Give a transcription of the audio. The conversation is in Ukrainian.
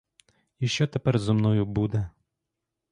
І що тепер зо мною буде?